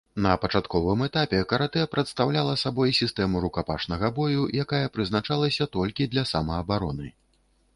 На пачатковым этапе каратэ прадстаўляла сабой сістэму рукапашнага бою, якая прызначалася толькі для самаабароны.